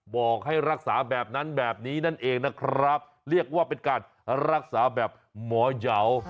บอกให้รักษาแบบนั้นแบบนี้นั่นเองนะครับเรียกว่าเป็นการรักษาแบบหมอยาว